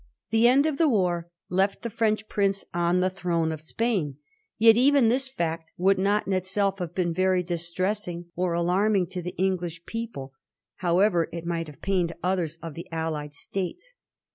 The end of the war left the French prince on the throne of Spain. Yet even this fact would not in itself have been very distressing or alarming to the English people, however it might have pained others of the allied states.